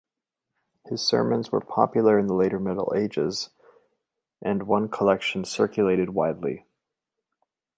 His sermons were popular in the later Middle Ages and one collection circulated widely.